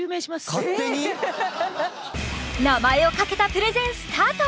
勝手に名前をかけたプレゼンスタート